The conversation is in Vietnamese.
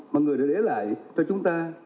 mà người đã để lại cho chúng ta